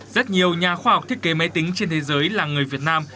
rất nhiều nhà khoa học thiết kế máy tính trên thế giới là người việt nam